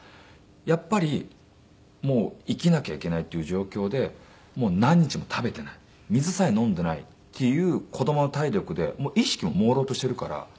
やっぱりもう生きなきゃいけないっていう状況で何日も食べていない水さえ飲んでいないっていう子供の体力で意識ももうろうとしているから。